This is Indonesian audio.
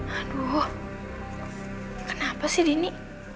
aduh kenapa sih dini